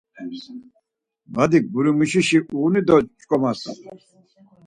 Badik gurimuşişi uğuni do şǩomas.